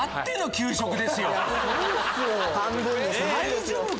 大丈夫か？